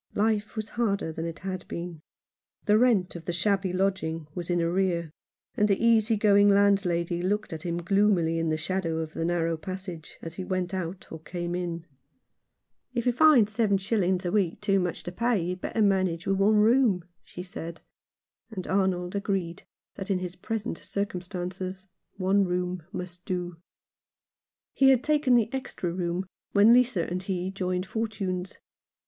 Life was harder than it had been. The rent of the shabby lodging was in arrear, and the easy going landlady looked at him gloomily in the shadow of the narrow passage as he went out or came in. 45 Rough Justice. " If you find seven shillings a week too much to pay, you'd better manage with one room," she said ; and Arnold agreed that in his present cir cumstances one room must do. He had taken the extra room when Lisa and he joined fortunes.